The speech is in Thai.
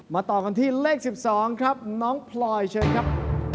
ต่อกันที่เลข๑๒ครับน้องพลอยเชิญครับ